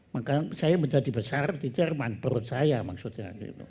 maka saya menjadi besar di jerman perut saya maksudnya